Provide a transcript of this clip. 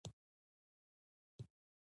ملګری د زړورتیا الهام دی